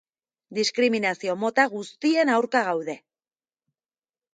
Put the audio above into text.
Diskriminazio mota guztien aurka gaude.